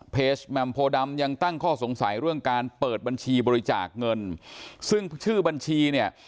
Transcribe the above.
แหม่มโพดำยังตั้งข้อสงสัยเรื่องการเปิดบัญชีบริจาคเงินซึ่งชื่อบัญชีเนี่ย